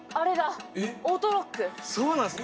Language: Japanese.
そうなんです